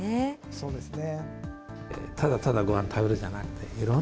そうですね。